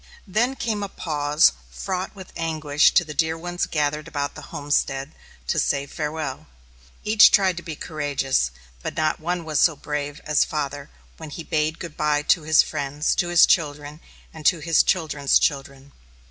Then came a pause fraught with anguish to the dear ones gathered about the homestead to say farewell. Each tried to be courageous, but not one was so brave as father when he bade good bye to his friends, to his children, and to his children's children.